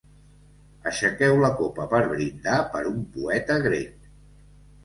Aixequeu la copa per brindar per un poeta grec.